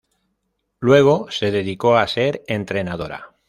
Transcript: Luego se dedicó a ser entrenadora.